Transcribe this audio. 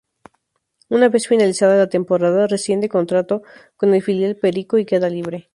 Una vez finalizada la temporada rescinde contrato con el filial perico y queda libre.